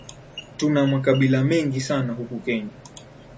Tuna makabila mengi sana huku Kenya